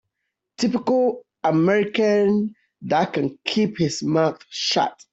Typical American that can keep his mouth shut.